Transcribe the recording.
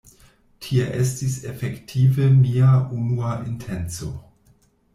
Tia estis efektive mia unua intenco.